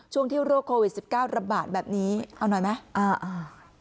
ช่วงที่โรคโควิด๑๙ระบาดแบบนี้เอาหน่อยไหม